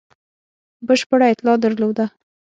بشپړه اطلاع درلوده.